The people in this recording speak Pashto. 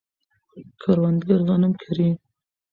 کروندګر غنم کري.